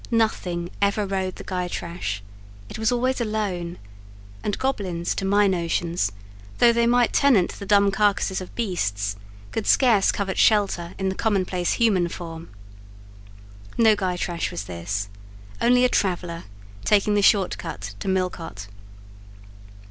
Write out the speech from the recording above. Nothing ever rode the Gytrash: it was always alone; and goblins, to my notions, though they might tenant the dumb carcasses of beasts, could scarce covet shelter in the commonplace human form. No Gytrash was this,—only a traveller taking the short cut to Millcote.